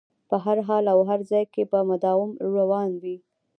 په هر حال او هر ځای کې به مدام روان وي.